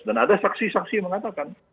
dan ada saksi saksi mengatakan